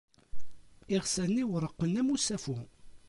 Iɣsan-iw reqqen am usafu.